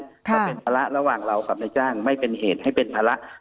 ก็เป็นภาระระหว่างเรากับนายจ้างไม่เป็นเหตุให้เป็นภาระ